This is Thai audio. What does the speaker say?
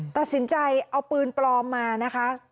ตัดสินใจเอาปืนปลอมมานะคะ